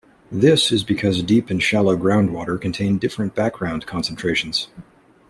This is because deep and shallow groundwater contain different background concentrations.